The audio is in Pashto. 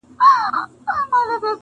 آخر به وار پر سینه ورکړي٫